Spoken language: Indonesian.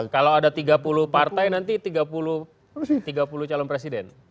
kalau ada tiga puluh partai nanti tiga puluh calon presiden